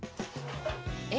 え